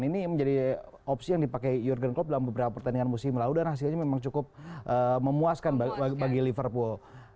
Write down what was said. ini menjadi opsi yang dipakai jurgen klop dalam beberapa pertandingan musim lalu dan hasilnya memang cukup memuaskan bagi liverpool